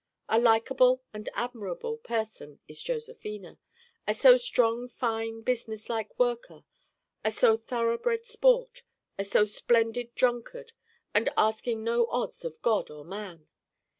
A likeable and admirable person is Josephina. A so strong fine businesslike worker, a so thoroughbred sport, a so splendid drunkard, and asking no odds of God or man.